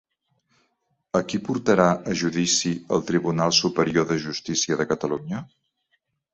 A qui portarà a judici el Tribunal Superior de Justícia de Catalunya?